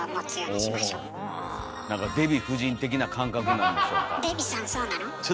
デヴィ夫人的な感覚なんでしょうか。